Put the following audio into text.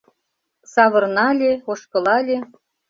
Савырнале, ошкылале